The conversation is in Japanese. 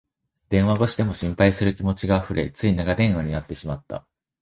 電話越しでも心配する気持ちがあふれ、つい長電話になってしまった